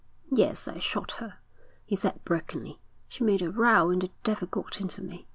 'Yes, I shot her,' he said brokenly. 'She made a row and the devil got into me.